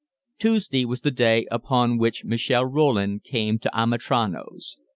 Tuesday was the day upon which Michel Rollin came to Amitrano's.